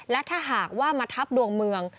และถ้าหากว่ามาทับดวงเมือง